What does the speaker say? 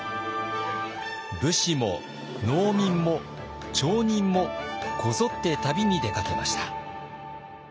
武士も農民も町人もこぞって旅に出かけました。